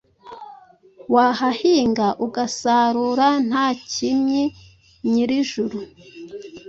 Wahahinga ugasarura, ntankmyi nyirijuru